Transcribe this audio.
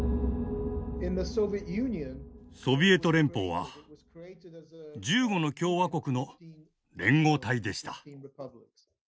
ソビエト連邦は１５の共和国の連合体でした。